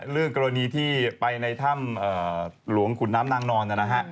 เรื่องกรณีที่ไปในถ้ำหลวงขุนน้ำนางนอนนะฮะ